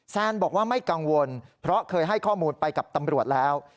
แซนบอกว่าไม่กังวลเพราะเคยให้ข้อมูลไปกับตำรวจแล้ว